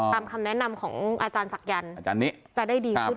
ตามคำแนะนำของอาจารย์ศักยันทร์จะได้ดีขึ้น